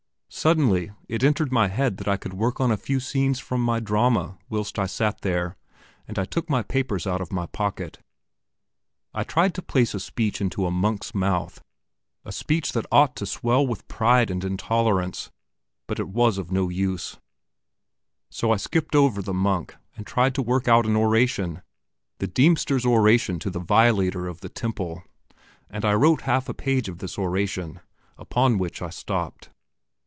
Suddenly it entered my head that I could work at a few scenes of my drama whilst I sat here, and I took my papers out of my pocket. I tried to place a speech into a monk's mouth a speech that ought to swell with pride and intolerance, but it was of no use; so I skipped over the monk and tried to work out an oration the Deemster's oration to the violator of the Temple, and I wrote half a page of this oration, upon which I stopped.